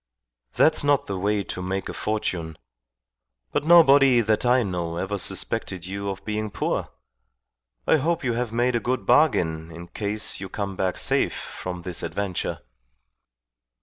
"That's not the way to make a fortune. But nobody that I know ever suspected you of being poor. I hope you have made a good bargain in case you come back safe from this adventure."